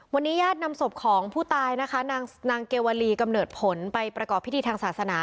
วันนี้ญาตินำศพของผู้ตายนะคะนางเกวลีกำเนิดผลไปประกอบพิธีทางศาสนา